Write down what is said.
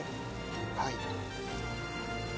はい。